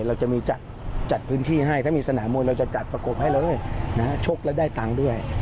เราจะมีจัดพื้นที่ให้ถ้ามีสนามมวยเราจะจัดประกบให้เราด้วยชกแล้วได้ตังค์ด้วย